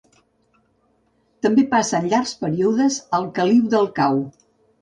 També passen llargs períodes al caliu del cau.